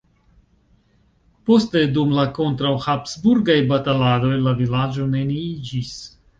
Poste dum la kontraŭ-Habsburgaj bataladoj la vilaĝo neniiĝis.